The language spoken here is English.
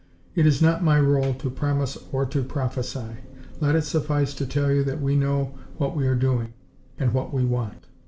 It is not my role to promise or to prophesy. Let it suffice to tell you that we know what we are doing, and what we want."